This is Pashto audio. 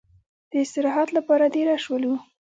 د استراحت لپاره دېره شولو.